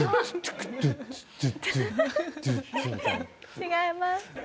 違います。